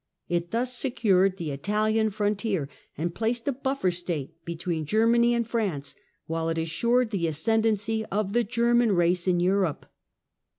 It thus secured the Italian frontier, and placed a buffer state between Germany and France, while it assured the ascendancy of the German race in Europe.